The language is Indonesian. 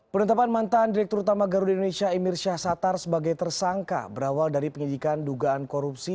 penetapan mantan direktur utama garuda indonesia emir syahsatar sebagai tersangka berawal dari penyelidikan dugaan korupsi